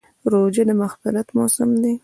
روژه د مغفرت موسم دی.